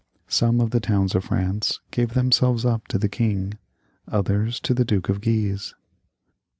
Some of the towns of France gave themselves up to the king, others to the Duke of Guise.